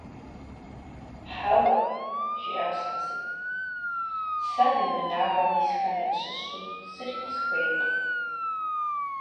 - Хьэуэ, - жиӀащ Насыпым, - сэ уи унагъуэм исхэм ящыщу зыри къысхуейкъым.